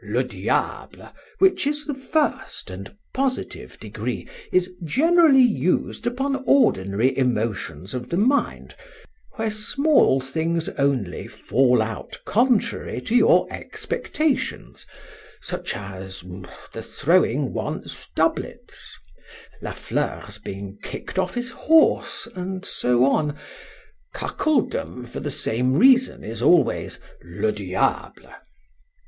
Le Diable! which is the first, and positive degree, is generally used upon ordinary emotions of the mind, where small things only fall out contrary to your expectations; such as—the throwing once doublets—La Fleur's being kick'd off his horse, and so forth.—Cuckoldom, for the same reason, is always—Le Diable!